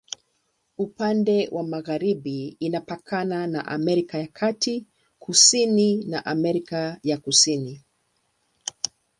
Upande wa magharibi imepakana na Amerika ya Kati, kusini na Amerika ya Kusini.